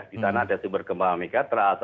di sana ada sumber gempa megatrust